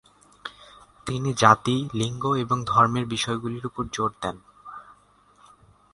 তিনি জাতি, লিঙ্গ এবং ধর্মের বিষয়গুলির উপর জোর দেন।